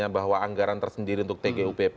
bahwa anggaran tersendiri untuk tgupp